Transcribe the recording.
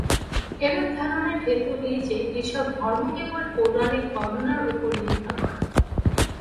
এরূপ ধারণার হেতু এই যে, এইসব ধর্ম কেবল পৌরাণিক বর্ণনার উপর নির্ভর করে।